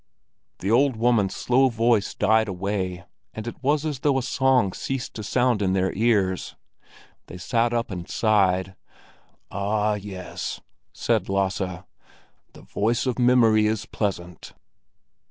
The old woman's slow voice died away, and it was as though a song ceased to sound in their ears. They sat up and sighed. "Ah, yes," said Lasse, "the voice of memory is pleasant!"